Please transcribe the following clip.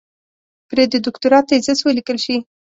پرې د دوکتورا تېزس وليکل شي.